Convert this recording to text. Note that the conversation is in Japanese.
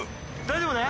大丈夫ね？